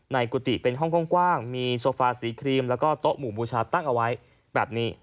กุฏิเป็นห้องกว้างมีโซฟาสีครีมแล้วก็โต๊ะหมู่บูชาตั้งเอาไว้แบบนี้